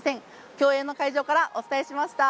競泳の会場からお伝えしました。